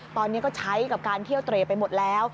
ตอนนี้ก็ใช้กับการเที่ยวเตรไปหมดแล้ว